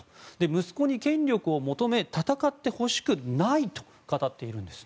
息子に権力を求め戦ってほしくないと語っているんです。